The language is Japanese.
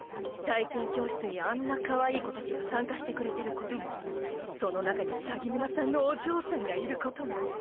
体験教室にあんなかわいい子たちが参加してくれてることもその中に鷺沼さんのお嬢さんがいることも。